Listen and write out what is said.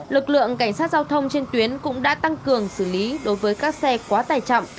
lực lượng cảnh sát giao thông trên tuyến cũng đã tăng cường xử lý đối với các xe quá tài trọng